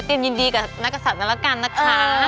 ยินดีกับนักกษัตริย์กันแล้วกันนะคะ